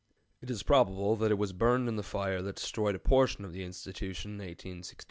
It is probable that it was burned in the fire that destroyed a portion of the Institution in 1865.